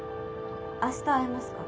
明日会えますか？